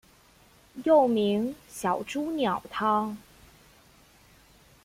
又名小朱鸟汤。